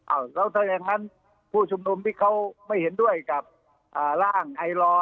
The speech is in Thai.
อ้าวแล้วถ้าอย่างนั้นผู้ชุมนุมที่เขาไม่เห็นด้วยกับร่างไอลอร์